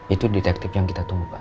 itu detektif yang kita tunggu pak